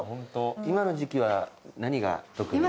今の時季は何が特に？